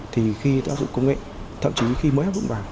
thì khi thay đổi công nghệ thậm chí khi mới hấp dụng vào